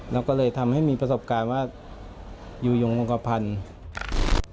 แล้วก็เลยทำให้มีประสบการณ์ว่าอยู่ยงวงกระพันธุ์